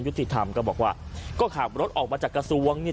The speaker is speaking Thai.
ติธรรมก็บอกว่าก็ขับรถออกมาจากกระทรวงนี่